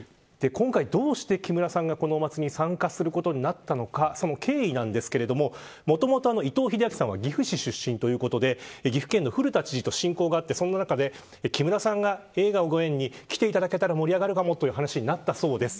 今回、どうして木村さんがこのお祭りに参加することになったのかその経緯なんですけどもともと伊藤英明さんは岐阜市出身ということで岐阜県の古田知事と親交があってその中で、木村さんが映画をご縁に来ていただけたら盛り上がるかもという話になったそうです。